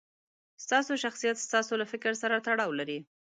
ستاسو شخصیت ستاسو له فکر سره تړاو لري.